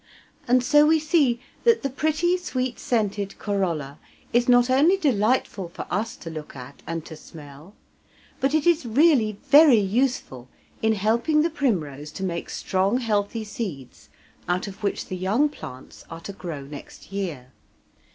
And so we see that the pretty sweet scented corolla is not only delightful for us to look at and to smell, but it is really very useful in helping the primrose to make strong healthy seeds out of which the young plants are to grow next year.